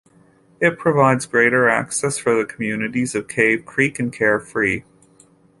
It provides greater access for the communities of Cave Creek and Carefree.